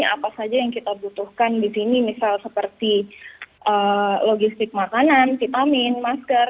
apa saja yang kita butuhkan di sini misal seperti logistik makanan vitamin masker